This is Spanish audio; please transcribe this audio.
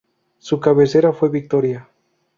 Su cabecera fue Victoria.